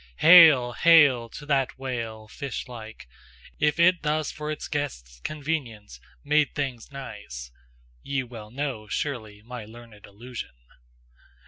Hail! hail! to that whale, fishlike, If it thus for its guest's convenience Made things nice! (ye well know, Surely, my learned allusion?)